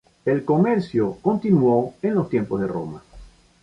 El comercio continuó en los tiempos de Roma.